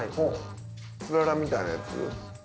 つららみたいなやつ？